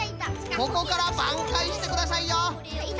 ここからばんかいしてくださいよ。